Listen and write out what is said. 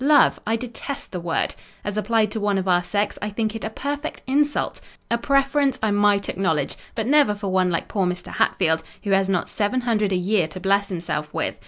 Love! I detest the word! As applied to one of our sex, I think it a perfect insult. A preference I might acknowledge; but never for one like poor Mr. Hatfield, who has not seven hundred a year to bless himself with.